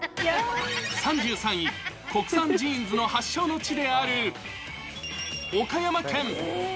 ３３位、国産ジーンズの発祥の地である岡山県。